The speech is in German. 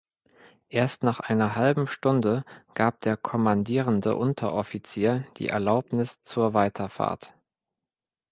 Erst nach einer halben Stunde gab der kommandierende Unteroffizier die Erlaubnis zur Weiterfahrt.